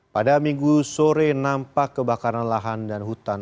pada minggu sore nampak kebakaran lahan dan hutan